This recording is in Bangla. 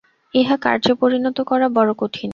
ইহা কার্যে পরিণত করা বড় কঠিন।